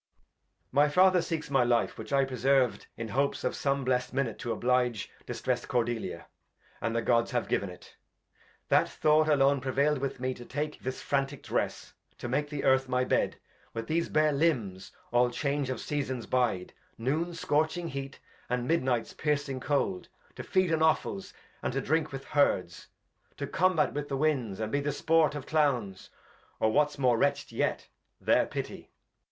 My Father seeks my Life, which I preserv'd, In hopes of some blest Minute to obHdge Distrest Cordelia, and the Gods have giv'n it ; That Thought alone prevail'd with me to take I This Frantick Dress, to make the Earth my Bed, With these bare Limbs all Change of Seasons bide, Noons scorching Heat, and Midnights piercing Cold, To feed on Offals, and to drink with Herds, To combat with the Winds, and be the Sport Of Clowns, or what's more wretched yet, their Pity.